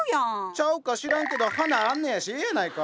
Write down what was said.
ちゃうか知らんけど花あんのやしええやないか！